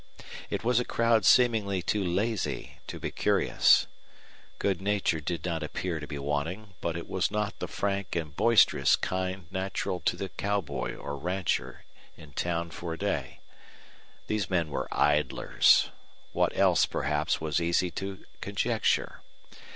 It was a crowd seemingly too lazy to be curious. Good nature did not appear to be wanting, but it was not the frank and boisterous kind natural to the cowboy or rancher in town for a day. These men were idlers; what else, perhaps, was easy to conjecture.